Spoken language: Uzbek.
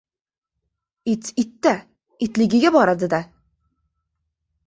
It — it-da! Itligiga boradi-da!